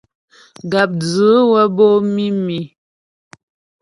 Gàpdzʉ wə́ bǒ mǐmi.